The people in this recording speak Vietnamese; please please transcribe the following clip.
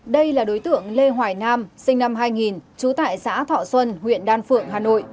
đây là đối tượng lê hoài nam sinh năm hai nghìn trú tại xã thọ xuân huyện đan phượng hà nội